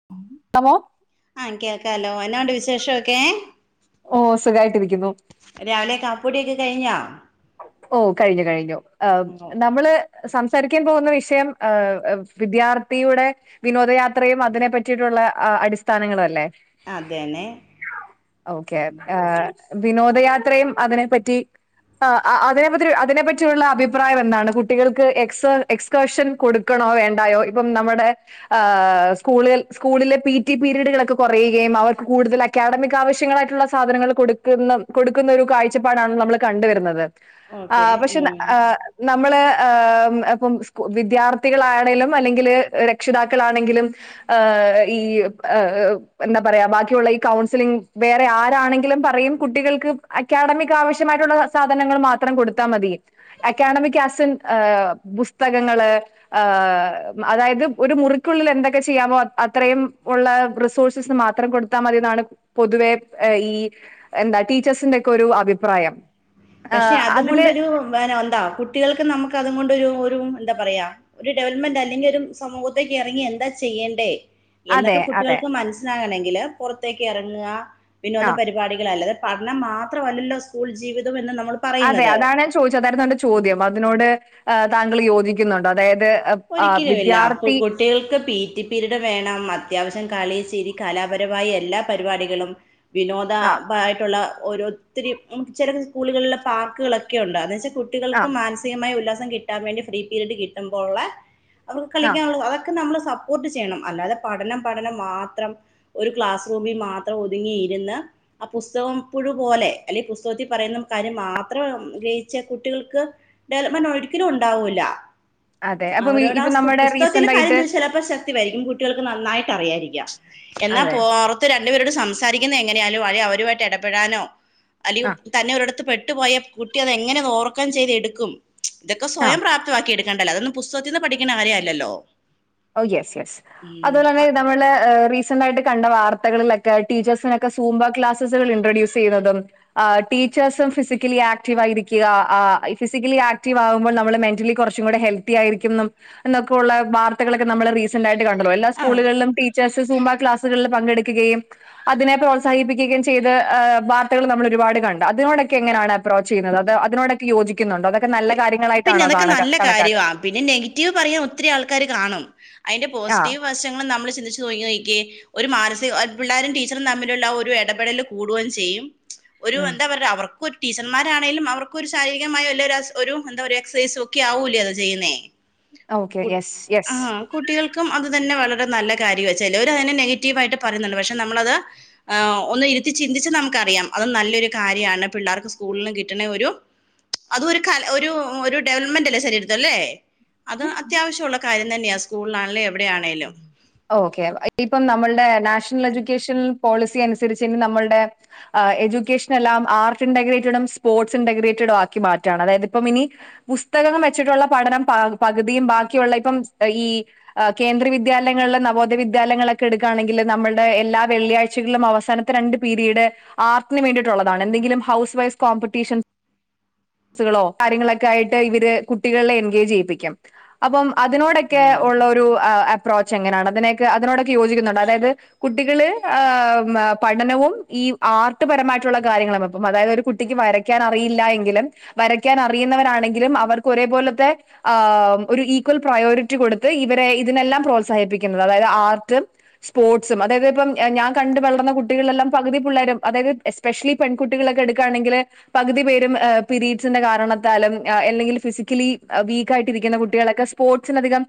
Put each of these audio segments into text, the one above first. [unintelligible] An കേക്കാല്ലോ എന്നാണ്ട് വിശേഷോക്കെ ഓ സുഖായിട്ടിരിക്കുന്നു രാവിലെ കാപ്പൂടിയൊക്കെ കഴിഞ്ഞോ ഓഹ് കഴിഞ്ഞു കഴിഞ്ഞു എഹ് ഓ നമ്മള് സംസാരിക്കാൻ പോകുന്ന വിഷയം എഹ് വിദ്യാർത്ഥിയുടെ വിനോദയാത്രയും അതിനെ പറ്റിയിട്ടുള്ള അടിസ്ഥാനങ്ങളും അല്ലെ അതന്നെ ഓക്കെ ഉം ഏഹ് വിനോദയാത്രയും അതിനെ പറ്റി എഹ് ആഹ് അതിനെ പത്രി അതിനെ പറ്റിയുള്ള അഭിപ്രായം എന്താണ് കുട്ടികൾക്ക് എക്സ് എസ് ക്കേഷൻ കൊടുക്കണോ വേണ്ടായോ ഇപ്പം നമ്മുടെ ഏഹ് സ്കൂളിൽ സ്കൂളിലെ പി ടി പീരീഡുകളൊക്കെ കുറയുകയും അവർക്ക് കൂടുതല, ക്കാഡമിക് ആവശ്യങ്ങളായിട്ടുള്ള സാധനങ്ങൾ കൊടുക്കുന്ന കൊടുക്കുന്ന ഒരു കാഴ്ചപ്പാടാണ് നമ്മൾ കണ്ടുവ രുന്നത് ഓക്കെ ആഹ് പക്ഷെ ഉം ഏഹ് നമ്മള് ഏഹ് ഉം എപ്പം വിദ്യാർത്ഥികളാണെലും അല്ലെങ്കില് രക്ഷിതാക്കളാണെങ്കിലും ഏഹ് ഈ എഹ് എന്താ പറയാ ബാക്കിയുള്ള ഈ കൗൺസിലിംഗ് വേറെ ആരാണെങ്കിലും പറയും കുട്ടികൾക്ക് അക്കാഡമിക്ക് ആവശ്യമായിട്ടുള്ള സാധനങ്ങൾ മാത്രം കൊടുത്താ മതി അക്കാഡമിക് അസിൻ ഏഹ് പുസ്തകങ്ങള് ഏഹ് അതായത് ഒരു മുറിക്കുള്ളിൽ എന്തൊക്കെ ചെയ്യാവോ അത്രയും ഉള്ള റിസോഴ്സിസ് മാ ത്രം കൊടുത്താ മതി ന്നാണ് പൊതുവെ ഈ എന്താ ടീച്ചേഴ്സിന്റെ ഒക്കെ ഒരു അഭിപ്രായം ആ പക്ഷെ അത് അതില് ങൊണ്ടൊരു വന എന്താ കുട്ടികൾക്ക് നമുക്ക് അതൊങൊണ്ടൊരു ഒരു ന്താ പറയാ ഒരു ഡെവലപ്മെന്റ് അല്ലെങ്കി ഒരു സമൂഹത്തേക്ക് ഇറങ്ങി എന്താ ചെയ്യേണ്ടേ എന്നൊക്കെ അതെ അതെ കുട്ടികൾക്ക് മനസ്സിലാകണമെങ്കില് പുറത്തേക്ക് ഇറങ്ങ വിനോദ ആ പരിപാടികളാല് പറഞ്ഞാ മാത്രവല്ലല്ലോ സ്കൂൾ ജീവിതം എന്ന് നമ്മൾ അതെ പറയുന്നത് അതാണൻ ചോയ്ച്ച അതായിരുന്നന്റെ ഉം ചോദ്യം അതിനോട് ഏഹ് താങ്കൾ യോജിക്കുന്നുണ്ടോ അതായത് അ ആഹ് വിദ്യാർത്ഥി ട്ടികൾക്ക് പി ടി പിരീട് വേണം അത്യാവശ്യം കളി ചിരി കലാപരമായ എല്ലാ പരിപാടികളും ആ വിനോദാബായിട്ടുള്ള ഓരോ ത്തിരി ഉം ചെലത് സ്കൂൾകളില് പാർക്കുകളൊക്കെ ഉണ്ടന്ന് വെച്ചാ ആ കുട്ടികൾക്ക് മാൻസ് സികമായ ഉല്ലാസം കിട്ടാൻ വേണ്ടി ഫ്രീപിരീഡ് കിട്ടുമ്പോൾള്ള അവർക്ക് ആ കളിക്കാനുള്ളത് അതൊക്കെ നമ്മള് സപ്പോർട്ട് ചെയ്യണം അല്ലാതെ പഠനം പഠനം മാത്രം ഒരു ക്ലാസ് റൂമിൽ മാത്രം ഒതുങ്ങിയിരുന്ന് ആ പുസ്തകം പുഴുപോലെ അല്ലെ പുസ്തകത്തി പറയുന്ന കാര്യം മാത്രം ഗഹിച്ച കുട്ടികൾക്ക് ഡെവലപ്മെന്റ് ഒരിക്കലും ഉണ്ടാവൂല്ല അതെ അപ്പം ഈ അവരോട് ആ ഇപ്പം നമ്മുടെ പുസ്തകത്തിന്റെ റീസെന്റ് കാര്യം ആയിട്ട് ചോദിച്ചലേപൊ ച ത്തി വര്കിം കുട്ടികൾക്ക് നന്നായിട്ട് അറിയാരിക്കാം എന്നാ അതെ പോവാറോ ത് രണ്ടുപേരോട് സംസാരിക്കുന്ന എങ്ങനെയാലും അവരുമായിട്ട് ഇടപെടാനോ അലിയൂ ആ തന്നെ ഒരിടത്ത് പെട്ടുപോയ കുട്ടി അത് എങ്ങനെ ഓർക്കം ചെയ്ത എടുക്കും ഇതൊക്കെ ആ സ്വയം പ്രാപ്തമാക്കി എടുക്കണ്ടല്ലോ അതൊന്ന് പുസ്തകത്തിന്ന് പഠിക്ണ കാര്യല്ലല്ലോ ഓ, യസ്, യസ് അതോലെ ന്നെ മ്മള് എഹ് റീസന്റയിട്ട് കണ്ട വാർത്തകളിലെക്കെ ടീച്ചേഴ്സിനൊക്കെ സൂംമ്പോ ക്ലാസസൾ ഇൻട്രഡ്യൂസെയ്തതും ആഹ് ടീച്ചേഴ്സും ഫിസിക്കലി ആക്റ്റീവ് ആയിരിക്കുക ഫിസിക്കലി ആക്റ്റീവ് ആകുമ്പോൾ നമ്മള് മെന്റലി കുറ ചൂടെ ഹെൽത്തി ആയിരിക്കും ന്നൊക്കെള്ള വർത്തകളൊക്കെ നമ്മളീ റീസന്റായിട്ട് കണ്ടല്ലോ എല്ലാ ആ സ്കൂളുകളിലും ട്ടീ ച്ചേയ്സ് സൂുമ്പാ ക്ലാസുകളിൽ പങ്കെടുക്കുകയും അതിനെ പ്രോത്സാഹിപ്പിക്കുകയും ചെയ്ത് എഹ് വാർത്തകൾ നമ്മൾ ഒരുപാട് കണ്ട അതിനോടൊക്കെ എങ്ങനെയാണ് അ പ്പ്രോചെയ്യുന്നത് അതെ അതിനോടൊക്ക യോജിക്കുന്നുണ്ടൊ അതൊക്കെ നല്ല കാര്യം പിന്നെ അതൊക്കെ നല്ല കാര്യവാ പിന്നെ നെഗറ്റീവ് പറയാൻ ഒത്തിരി ആൾക്കാാര് കാണും അയിന്റെ ആ പോസിറ്റീവ് വശങ്ങള് നമ്മൾ ചിന്തിച്ചു നോകി നോക്കി ഒരു മാനസിക പിള്ളോരും ടീച്ചറും തമ്മിലുള്ള ഒരു എടപെടല് കൂടുകയും ചെയ്യും ഒരു ഉം എന്താ പർഞ അവർക്കൊരു ടീച്ചർമാരാണെലും അവർക്കൊരു ശാരീരികമായല്ലരുസ് ഒരു എന്താരു എക്സസൈസൊക്കെ ആവൂലേ അത് ചെയ്യുന്നേ ഓക്കെ കു യെസ് യെസ് ആഹ് കുട്ടികൾക്കും അത് തന്നെ വളരെ നല്ലകാര്യ ചെലൊര അയിനെ നെഗറ്റീവായിട്ട് പറയുന്നുണ്ട് പക്ഷെ നമ്മളത് ആഹ് ഒന്നിരുത്തി ചിന്തിച്ച് നമുക്കറിയാം അത് നല്ലൊരു കാര്യാണ് പിള്ളേർക്ക് സ്കൂള്ന്ന് കിട്ടണൊരു അതൊരു കല ഒരു ഒരു ഡെവലപ്മെന്റ്ല്ലേ ശരീരത്ത്ല്ലേ അത് അത്യാവശ്യവുള്ള കാര്യം തന്നെയാ സ്കൂളിലാണേലും എവിടെയാണേലും. ഓക്കേ ഇപ്പം നമ്മളുടെ നാഷണൽ എഡ്യൂക്കേഷൻ പോളിസി അനുസരിച്ച് ഇനി നമ്മളുടെ ആഹ് എ്യൂക്കേഷനെല്ലാംആർട്ട് ഇന്റഗ്രേറ്റഡും സ്പോർട്സ് ഇന്റഗ്രേറ്റഡും ആക്കി മാറ്റാണ് അതായത് ഇപ്പം ഇനി പുസ്തകം വെച്ചിട്ടുള്ള പഠനം പ പകുതിയും ബാക്കിയുള്ളപ്പം ഈ കേന്ദ്രിവിദ്യാലയം ങ്ങള്നവോദയ വിദ്യാലയങ്ങളൊക്കെ എടുക്കുകയാണെങ്കില് നമ്മുടെ എല്ലാ വെള്ളിയാഴ്ചകള് അവസാനത്തെ രണ്ട് പീരീഡ് ആർട്ടിന് വേണ്ടിയിട്ടുള്ളതാണ് എന്തങ്കിലും ഹൗസ് വൈസ് കോമ്പറ്റീഷൻ സ്ക്ളോകാര്യങ്ങളൊക്കായിട്ട് ഇവര് കുട്ടികളെ എൻഗേജെയ്യിപ്പിക്കും. അപ്പം ഉം അതിനോടൊക്കെള്ളൊരു എങ്ങനാണ് അതിനൊക്കെ അതിനോടൊക്കെ യോജിക്കുന്നുണ്ട് അതായത് കുട്ടികള് ഏഹ് പഠനവും ഈ ആർട്ട് പരമായിട്ടുള്ള കാര്യങ്ങളും അപ്പം അതായതൊരു കുട്ടിക്ക് വര വരയ്ക്കാൻ അറിയില്ല എങ്കിലും വരയ്ക്കാൻ അറിയുന്നവരാണെങ്കിലും അവർക്ക് ഒരേ പോലത്തെ ആഹ് ഒരു ഈക്വൽ പ്രയോറിറ്റി കൊടുത്ത് ഇവരെ ഇതിനെല്ലാം പ്രോത്സാഹിപ്പിക്കുന്നത് അതായത് ആർട്ട് സ്പോർട്സും അതായത് ഇപ്പം ഞാൻ കണ്ട് വളർന്ന കുട്ടികളെല്ലാം പകുതി പിള്ളേരും അതായത് എസ് സ്പെഷലി പെൺകുട്ടികളൊക്കെ എട്ക്കാണെങ്കില് പകുതി പേരും ഏഹ് പിരീഡ്സിന്റെ കാരണത്താലും അല്ലെങ്കി ഫിസിക്കലി വീക്കായിട്ടിരിക്കുന്ന കുട്ടികളൊക്കെ സ്പോർട്സിനധികം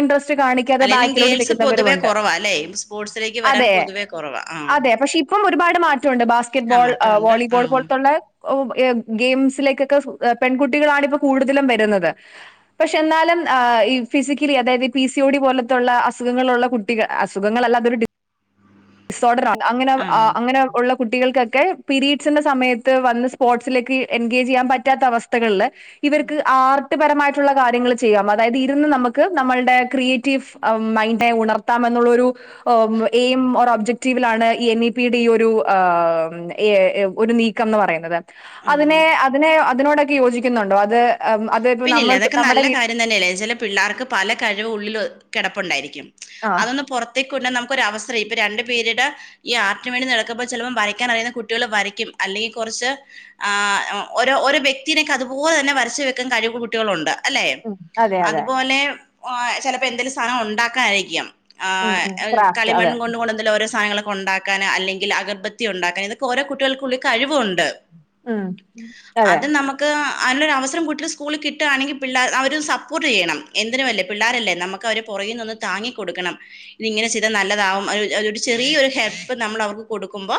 ഇൻട്രസ്റ്റ് കാണിക്ക ക്കാതെ അല്ലേലും ബാക്കിലോട്ട് ഗേൾസ് പൊതുവേ നികുന്നവരുമുണ്ട് കൊറവാ അല്ലേ സ്പോർട്സിലേക്ക് വരാൻ അതേ പൊതുവേ കൊറവാ ആഹ് അതേ പക്ഷെ ഇപ്പം ഒരുപാട് മാറ്റൊണ്ട് ആഹ് ബാസ്ക്കറ്റ്ബോൾ മാറ്റമുണ്ട് വോളിബോൾ ആഹ് പോലത്തുള്ള എം ഗെയിംസിലേക്കൊക്കെ പെൺകുട്ടികളാണ് ഇപ്പോ കൂടുതലും വരുന്നത്. പക്ഷെ എന്നാലും ഈ ഫിസിക്കലി അതായത് പി സി ഒ ഡി പോലെ തുള്ള അസുഖങ്ങളുള്ള കുട്ടികൾ അസുഖങ്ങളല്ല അതൊരു ഡി സോർഡറാ അങ്ങനെ ആഹ് അങ്ങനെ ഉള്ള കുട്ടികൾക്കൊക്കെ പീരീഡ്സിന്റെ സമയത്ത് സ്പോർട്സിലേക്ക് എൻഗേജ് ചെയ്യാൻ പറ്റാത്ത അവസ്ഥകള് ഇവർക്ക് ആർട്ട്പരമായി ട്ടുള്ള കാര്യങ്ങൾ ചെയ്യാംഅതായത് ഇരുന്ന് നമുക്ക് നമ്മളുടെ ക്രിയേറ്റീവ് മൈൻഡെ ഉണർത്താ എന്നുള്ളരു ഓം [unintelligible] ഒറ ഒബ്ജക്ടീവിലാണ് ഈ എൻ ഇ പി യുടെ ഈ ഒരു ഏഹ് നീക്കംഎന്ന് പറയുന്നത് അതിന് ഉം അതിനെ അതിനോടൊക്കെ യോജിക്കുന്നുണ്ടോ അത് അത് ഇപ്പോ നമ്മൾ പിന്നല്ലേ അതൊക്കെ നമ്മുടെ നല്ല വീ കാര്യം തന്നെയല്ലേ ചില പിള്ളേർക്ക് പല കഴിവ് ഉള്ളിൽ കെടപ്പുണ്ടായിരിക്കും ആഹ് അതൊന്ന് പൊറ ത്തികൊണ്ട് നമുക്കൊരവസരം ഇപ്പോൾ രണ്ട് പിരീട് ഈ ആർട്ടിവേണ്ടിക്ക് ചെലപ്പോ വരക്കനറിയുന്ന കുട്ടികൾ വരയ്ക്കും അല്ലെങ്കിൽ കൊറച്ച് ആഹ് ഓരോ ഒരു വ്യക്തിയേക്കെ അതുപോലെ തന്നെ വരച്ചുവെ ക് കഴിവ് കുട്ടികളുണ്ട് അല്ലെ ഉം അതെ അതെ അതുപോലെ ഓഹ് ചെലപ്പോ എന്തേലും സാധനം ഉണ്ടാക്കാനായിരിക്കാം ഉം ഉം ആഹ് ക്രാഫ്റ്റ് കളിമൺ അതെ കൊണ്ടണ്ട് അതില്ഓരോസാധനങ്ങളക്കെ ഒണ്ടാക്കാനാ അല്ലെങ്കി അഗർബത്തിയ ഉണ്ടാക്കൻ ഇതൊക്കെ ഓരോ കുട്ടികൾക്കുള്ളള്ള കഴിവുണ്ട് ഉം അതെ അത് നമുക്ക് അയിനൊരു അവസരം കൂ സ്കൂള്കിട്ടുകയാണെങ്കിപിള്ളേ അവരെ സപ്പോർട്ടെയ്യണം എന്തിനും ല്ലേപിള്ളോരല്ലേ നമുക്ക് അവരെ പൊറകെനിന്ന് താങ്ങി കൊടുക്കണം ഇതിങ്ങനെ ചെയ്താൽ നല്ലതാവും ഒരു ചെറിയരു ഹെൽപ്പ് നമ്മള് അവർക്ക് കൊടുക്കുമ്പോ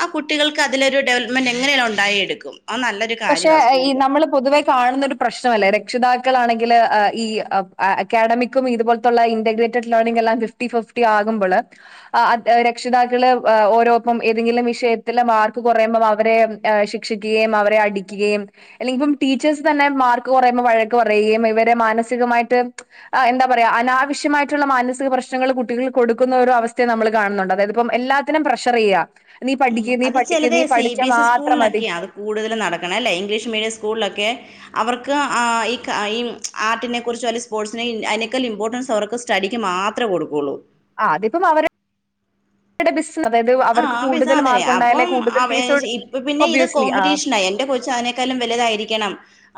ആ കുട്ടികൾക്ക് അതിലൊരു ഡെവലപ്മെന്റ് എങ്ങനെ ഉണ്ടായെടുക്കും നല്ലൊരു പക്ഷെ കാര്യമാണ് ഈ സ്കൂളിൽ നമ്മള് പൊതുവെ കാണുന്നൊ ഒരു പ്രശ്നമല്ലേ രക്ഷിതാക്കളാണെങ്കിൽ ഈ അക്കാഡമിക് ഇതുപലത്തുള്ള ഇന്റഗ്രേറ്റഡ് ലേണിംഗ എല്ലാം ഫിഫറ്റി ഫിഫറ്റി ആകുമ്പോള് ആ രക്ഷിതാക്കള് ഓരോപ്പം ഏതെങ്കിലും വിഷയത്തില മാർക്ക് കുറയുമ്പം അവരെ ശിക്ഷിക്കുകയും അവരെ അ അടിക്കുകയും ടീച്ചേഴ്സ് തന്നെ മാർക്ക് കുറയുമ്പോ വഴക്ക് പറയുകയും ഇവരെ മാനസികമായിട്ട് ആഹ് എന്താ പറയാ അനാവശ്യമായിട്ടുള്ള അനാവശ്യമായ മാനസിക പ്രശ്നങ്ങൾ കുട്ടികൾ കൊടുക്കുന്ന ഒരു അവസ്ഥയെ നമ്മൾ കാണുന്നുണ്ട് അതായത് ഇപ്പൊ എല്ലാ എല്ലാത്തിനും പ്രഷർ ചെയ്യ നീ പഠിക്ക നീ അത് പഠിക്ക നീ പഠിച്ചാ മാത്രം മതി കൂടുതലും നടക്കണം അല്ലേ ഇംഗ്ലീഷ് മീഡിയം സ്കൂളിലൊക്കെ അവർക്ക് ആഹ് ഈ ക ആഹ് ഈ ആർട്ടിനെ കുറിച്ചും അല്ലെ സ്പോർട്സിനെ അയിനെക്കാൽ ഇമ്പോർട്ടൻസ് അവർക്ക് സ് സ്റ്റഡിക്ക് മാത്ര കൊടുക്കുള്ളൂ. ആഹ് അതിപ്പം അവരെ [unintelligible] ബിസ്ന അതായത് ആ അവർക്ക് പിസ കൂടുതൽ അതന്നെ മാർക്ക് ഉണ്ടായാലേ അപ്പം കൂടുതൽ ഫീസ് കൊട് ഒബവിയസ്ലി ആഹ് പക്ഷേ അതിനേക്കാലും വലുതായിരിക്കണം,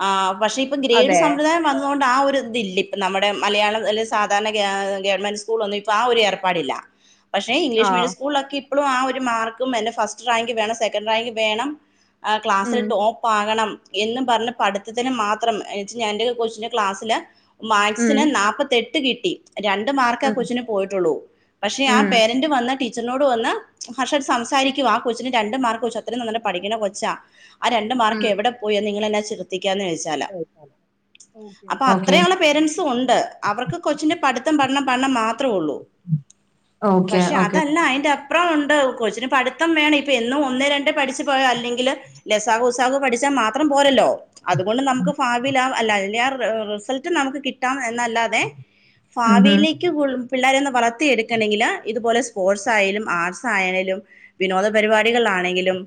ആഹ് പക്ഷേ ഇപ്പ ഗ്രേഡ് അതെ സമ്പ്രദായം വന്നോണ്ട് ആ ഒരു ഇത് ഇല്ല ഇപ്പ നമ്മുടെ മലയാളം അല് സാധാരണ ഗ ഗവൺമെന്റ് സ്കൂളൊന്നും ഇപ്പ ആ ഒരു ഏർപ്പാടില്ല. പക്ഷേ ആ ഇംഗ്ലീഷ് മീഡിയം സ്കൂളിലൊക്കെ ഇപ്പളും ആ ഒരു മാർക്കും എന്റെ ഫസ്റ്റ് റാങ്ക് വേണം സെക്കൻഡറ് റാങ്ക് വേണം ആ ക്ലാസ്സിൽ ഉം ടോ പ്പാകണം എന്നും പറഞ്ഞ് പഠിത്തത്തിന് മാത്രം എച് ഞാ എന്റെ ഒക്കെ കൊച്ചിന്റെ ക്ലാസ്സില് മാത് ഉം സിന് നാപത്തെട്ട് കിട്ടി, രണ്ട് മാർക്ക് ആ ഉം കൊച്ചിന് പോയിട്ടുള്ളൂ, പക്ഷേ ആ ഉം പേര ന്റ് വന്ന് ടീച്ചറിനോട് വന്ന് [unintelligible] സംസാരിക്കുവ ആ കൊച്ചിന് രണ്ട് മാർക്ക്, കൊച്ചു അത്രയും നല്ല പഠിക്കണ കൊച്ചാ, ആ രണ്ട് ഉം മാർക്ക് എവടെ പോയി നിങ്ങളെ എന്നാ [unintelligible] ഓക്കെ അപ്പ ഓക്കെ അത്രയൊള്ള പേരന്റ്സ് സും ഉണ്ട് അവർക്ക് കൊച്ചിന്റെ പഠിത്തം പഠനം പഠനം മാത്രോള്ളൂ. ഓക്കെ പക്ഷേ ഓക്കെ അതല്ല അയിന്റെ [unintelligible] ഒണ്ട് കൊച്ചിന് പഠിത്തം വേണം ഇപ്പ എന്നും ഒന്നേ രണ്ടേ പഠിച്ചു പോയോ അല്ലെങ്കില് ലസാഘു ഉസാഘു പഠിച്ചാ മാത്രം പോരല്ലോ. അതുകൊണ്ട് നമുക്ക് [unintelligible] അല്ല ഇനി ആ റ് എഹ് റിസൾട്ട് നമുക്ക് കിട്ടാം എന്നല്ലാത് തെ ഉം ഉം ഫാവിയിലേക്ക് പുള് പിള്ളേരെ ഇന്ന് വളർത്തി എടുക്കണങ്കില് ഇതുപോലെ സ്പോർട്സ് ആയാലും ആർട്സ് ആയണെലും വിനോദ പരിപാടികളാണെങ്കിലും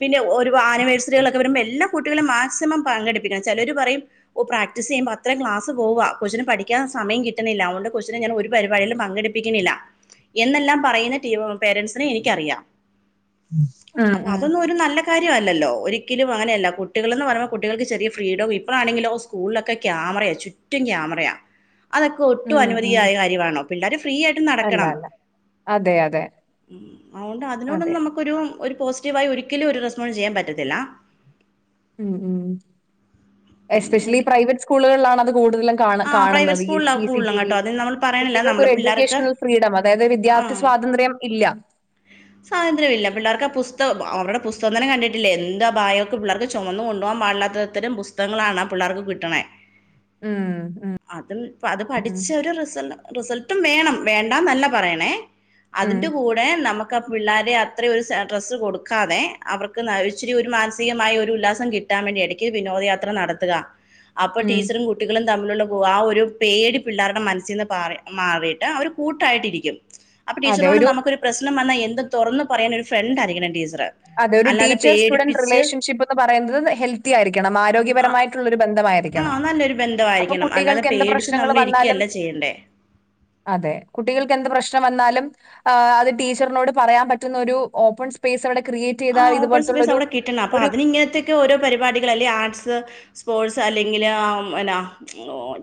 പിന്നെ ഒരു ആനിവേഴ്സറികളൊക്കെ വരുമ്പ എല്ലാ കുട്ടികളും മാക്സിമം പങ്കെടുപ്പിക്കണം, ചെലര് പറയും ഓ പ്രക്ടീസ് ചെയ്യുമ്പോ അത്ര ക്ലാസ് പോവാ കൊച്ചിന് പഠിക്കാൻ സമയം കിട്ടണില്ല, അത് കൊണ്ട് കൊച്ചിനെ ഞാൻ ഒരു പരിപാടിലും പങ്കെടുപ് പ്പിക്കണില്ല എന്നെല്ലാം പറയുന്ന [unintelligible] പേരെന്റ്സിനെ എനിക്കറിയാം, ഉം അപ്പം ഉം അതൊന്നും ഒരു നല്ല കാര്യല്ലല്ലോ ഒരിക്കലും അങ്ങനെയല്ല കുട്ടികള്ന്ന് പറയുമ്പോ കുട്ടികൾക്ക് ചെറിയ ഫ്രീഡം ഇപ്പളാണങ്കിലോ സ്കൂളിലൊക്കെ ക്യാമറയാ ചുറ്റ് റ്റും ക്യാമറയാ, അതൊക്കെ ഒട്ടും ഉം ഉം അനുമതിയായ കാര്യവാണോ പിള്ളേര് ഫ്രീ ആയിട്ട് അല്ല നടക്കണം. അല്ല അതെ അതെ. മ് അതുകൊണ്ട് അതെ അതിനോടൊന്നും നമുക്കൊരു ഒരു പോസിറ്റീവായി ഒരിക്കലും ഒരു റെസ്പോണ്ട്സ് ചെയ്യാൻ പറ്റത്തില്ല. മ് മ് എസ്പെഷ്യലി അങ്ങനെയൊക്കെ പ്രൈവറ്റ് സ്കൂളുകളിലാണത് കൂടുതലും കാണ് ആ പ്രൈവറ്റ് കാണുന്നത് ഈ സ്കൂളിലാണ് സി സി കൂടുതലും ടി വി കേട്ടോ അതിന് നമ്മൾ പറയണില്ല കുട്ടികൾക്ക് നമ്മൾ ഒരു പിള്ളേർക്ക് എഡ്യൂക്കേഷണൽ ഫ്രീഡം അതായത് ആ വിദ്യാർത്ഥി സ്വാതന്ത്ര്യം ഇല്ല സ്വാതന്ത്ര്യല്ല പിള്ളേർക്ക് ആ പുസ്ത അവരുടെ പുസ്തകം തന്നെ കണ്ടിട്ടില്ലേ എന്താ [unintelligible] ക്ക് പിള്ളാർക്ക് ചൊമന്ന് കൊണ്ടു പോകാൻ പാടില്ലാത്ത അത്തരം പുസ്തകങ്ങളാണ് ആ പിള്ളേർക്ക് കിട്ടണേ. മ് മ് അതും പ അത് പഠിച്ച് ഒരു റിസൽ റിസൾട്ടും വേണം വേണ്ടാന്നല്ല പറയണേ. ഉം അതിന്റെ കൂ ടെ നമുക്ക് ആ പിള്ളാരെ അത്ര ഒരു സ് ആ സ്ഡ്രസ്സ് കൊടുക്കാതെ അവർക്ക് ഇച്ചരി ഒരു മാനസികമായി ഒരു ഉല്ലാസം കിട് ട്ടാൻ വേണ്ടി എടക്ക് വിനോദയാത്ര നടത്തുക അപ്പ ഉം ടീച്ചറും കുട്ടികളും തമ്മിലുള്ള ആ ഒരു പേടി പിള്ളാരുടെ മനസ്സിന്ന് പാറി മാറിയിട്ട് അവര് കൂട്ടായിട്ടിരിക്കും. അപ്പം അതെ ടീച്ചർനോട് ഒരു നമുക്കൊരു പ്രശ്നം വന്നാ എന്ത് തൊറന്ന് പറയാൻ ഒരു ഫ്രണ്ട് ആയിരിക്കണം ടീച്ചറ്. അതെ ഒരു ടീച്ചർ സ്റ്റുഡന്റ് റിലേഷൻഷിപ്പ് ള് പറയുന്നത് ഹെൽത്തി ആയിരിക്കണം, ആരോഗ്യപരമായിട്ടുള്ള ഒരു ബന്ധമാ ആഹ് നല്ലൊരു ബന്ധം ആയിരിക്കണം, അല്ലാതെ പേടിച്ച് പ്രശ്നങ്ങൾ നമ്മൾ വന്നാലും ഇരിക്കല്ല ചെയ്യേണ്ടേ. അതെ കുട്ടികൾക്ക് എന്ത് പ്രശ്നം വന്നാലും ആഹ് അത് ടീച്ചറിനോട് പറയാൻ പറ്റുന്ന ഒരു ഓപ്പൺ സ്പേസവിടെ ക്രിയേ ആഹ് ഓപ്പൺ സ്പേസ് അവിടെ കിട്ടണം, അപ്പ അതിന് ഇങ്ങനത്തൊക്കെ ഓരോ പരിപാടികൾ അല്ലേ ആർട്സ്, സ്പോർട്സ് അല്ലെങ്കില് ആം എന്നാ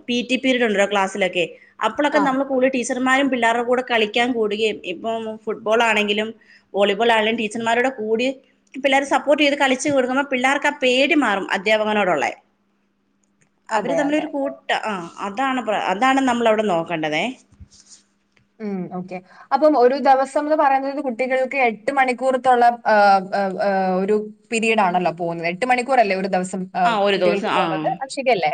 പി ടി പിരീഡ് ഉണ്ടല്ലോ ക്ലാസ്സിലൊക്കെ അപ്പളൊക്കെ ആ നമ്മൾ കൂളിൽ ടീച്ചർമാരും പിള്ളാരുടെ കൂടെ കളിക്കാൻ കൂടുകയും ഇപ്പം ഫുട്ബോൾ ആണെങ്കിലും വോളിബോൾ [unintelligible] ടീച്ചർമാരോടെ കൂടി പിള്ളേരെ സപ്പോർട്ട് ചെയ്ത് കളിച്ചു കൊടുക്കുമ്പോ പിള്ളേർക്ക് ആ പേടി മാറും, അധ്യാപകനോടൊള്ളെ. അവര് അതെ അതെ തമ്മിലരു കൂട്ട ആ അതാണ് അതാണ് നമ്മൾ അവിടെ നോക്കേണ്ടത് ഉം ഓക്കെ അപ്പം ഒരു ദിവസം എന്ന് പറയുന്നത് കുട്ടികൾക്ക് എട്ട് മണിക്കൂർത്തുള്ള് ഒരു പിരീഡ് ആണല്ലോ പോകുന്നത് എട്ട് മണിക്കൂർ അല്ലേ ഒരു ദിവസം ആ ഒരു ദിവസം കുട്ടികൾക്ക് ആ പോകുന്നത് അത് ശരില്ലേ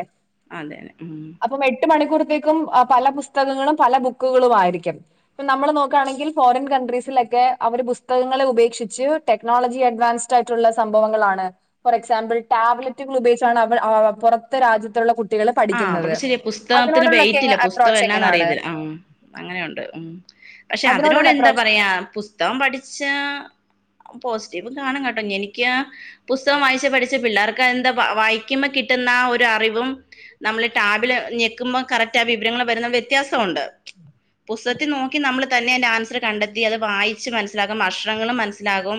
അതെ അതെ ഉം അപ്പ എട്ട് മണിക്കൂർത്തേക്കും പല പുസ്തകങ്ങളും പല ബുക്കുകളും ആയിരിക്കും ഇപ്പം നമ്മൾ നോക്കുകയാണെങ്കിൽ ഫോറിൻ കൺട്രീസിലൊക്കെ അവര് പുസ്തകങ്ങളെ ഉപേക്ഷിച്ച് ടെക്നോളജി അഡ്വാൻസ് ആയിട്ടുള്ള സംഭവങ്ങളാണ് ഫോർ എക്സാമ്പിൾ ടാബ്ലറ്റുകൾ ഉപയോഗിച്ചാണ് അവ പുറത്തെ രാജ്യത്തുള്ള കുട്ട ആഹ് അവക്ക് ശരി പുസ്തകത്തിന് വെയിറ്റില്ല പുസ്തകം അപ്രോച്ച് എന്നാന്ന് എങ്ങനെയാണ് അറിയല്ല ആ അങ്ങനെയുണ്ട് ഉം പക്ഷെ അതിനോട് അതിനോടുള്ള എന്താ അപ്രോച്ച് പറയാ പുസ് മത്തം പഠിച്ച പോസിറ്റീവ് കാണും കേട്ടോ എനിക്ക് പുസ്തകം വായിച്ച് പഠിച്ച പിള്ളേർക്ക് എന്താ വായിക്കുമ്പോ കിട്ടുന്ന ആ ഒരു അറിവും നമ്മള് ടാബില് ഞക്കുമ്പോൾ കറക്റ്റ് ആ വിവരങ്ങൾ വരുന്നത് വ്യത്യാസം ഉണ്ട് പുസ്തകത്തിൽ നോക്കി നമ്മള് തന്നെ എന്റെ ആൻസർ കണ്ടെത്തി അത് വായിച്ച് മനസ്സിലാക്കും അക്ഷരങ്ങളും മനസ്സിലാകും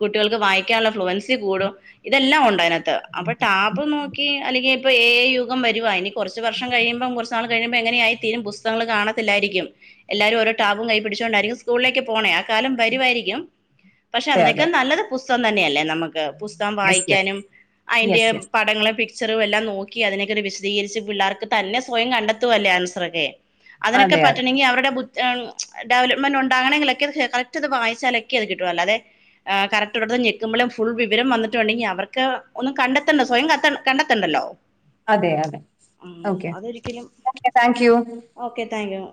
കുട്ടികൾക്ക് വായിക്ക ഫ്ലുവൻസി കൂടും ഇതെല്ലാം ഉണ്ട് അതിനകത്ത് അപ്പൊ ടാപ്പ് നോക്കി അല്ലെങ്കിൽ ഇ എ യു മുഖം വരുവാ ഇനി കുറച്ച് വർഷം കഴിയുമ്പം കുറച് നാൾ കഴിയുമ്പോ എങ്ങനെയ ആയി തീരും പുസ്തകങ്ങള് കാണല്ലായിരിക്കും എല്ലാരും ഓരോ ടാപും കൈ പിടിച്ചുക കൊണ്ടായിരിക്കും സ്കൂളിലേക്ക് പോണേ ആ കാലം വരുായിരിക്കും പക്ഷെ അതെ അതിനൊക്കെ അതെ നല്ലത് പുസ്തകം തന്നെയല്ലേ നമുക്ക് പുസ്തകം യെസ് യെസ് വായിക്കാനും അതിന്റെ യെസ് യെസ് പടങ്ങളും പിക്ചറും എല്ലാം നോക്കി അതിനെ വിശദീകരിച്ച് പിള്ളേർക്ക് തന്നെ സ്വയം കണ്ടെത്തുവല്ലേ ആൻസർൊക്കെ അതിനൊക്കെ അതെ അതെ പറ്റണെങ്കിൽ അവരുടെ ഡെവല്മെന്റ് ഉണ്ട് അങ്ങനെങ്കിലൊക്കെ കറക്റ്റ് അത് വായിച്ചാലൊക്കെ അത് കിട്ടുവല്ലോ അതെ ് കറക്ട് ഇടത്ത്ന്ന് െക്കുമ്പോേും ഫുൾ വിവരം വന്നിട്ടുണ്ടെങ്കിൽ അവർക്ക് ഒന്നും കണ്ടെത്തണ്ട സ്വയം ക കണ്ടെത്തണ്ടല്ലോ അതെ അതെ ഉം ഓക്കെ അതൊരിക്കലും thank you okay thank you